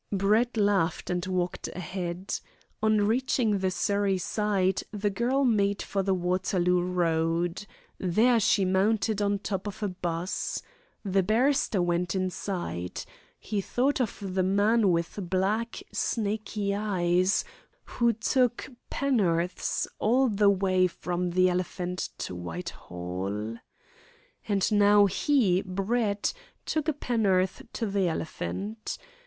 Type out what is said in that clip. Brett laughed and walked ahead. On reaching the Surrey side the girl made for the Waterloo Road. There she mounted on top of a 'bus. The barrister went inside. He thought of the "man with black, snaky eyes," who "took penn'orths" all the way from the Elephant to Whitehall. And now he, Brett, took a penn'orth to the Elephant.